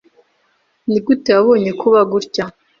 Nigute wabonye kuba gutya?